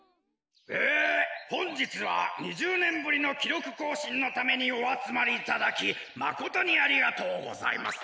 えほんじつは２０ねんぶりのきろくこうしんのためにおあつまりいただきまことにありがとうございます。